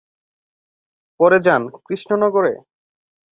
পরে যান কৃষ্ণনগরে।